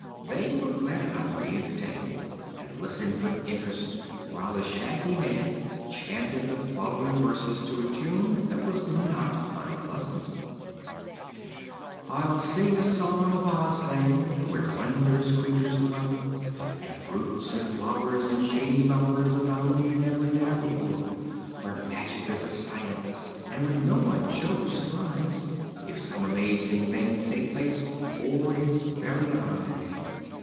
They were glad enough to be entertained, and listened with interest while the Shaggy Man chanted the following verses to a tune that was not unpleasant: "I'll sing a song of Ozland, where wondrous creatures dwell And fruits and flowers and shady bowers abound in every dell, Where magic is a science and where no one shows surprise If some amazing thing takes place before his very eyes.